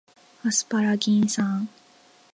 アスパラギン酸